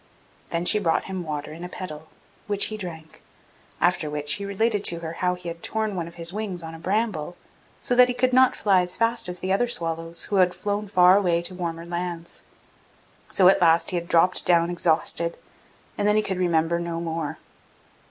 Then she brought him water in a petal, which he drank, after which he related to her how he had torn one of his wings on a bramble, so that he could not fly as fast as the other swallows, who had flown far away to warmer lands. So at last he had dropped down exhausted, and then he could remember no more.